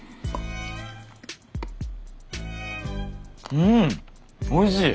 うんおいしい。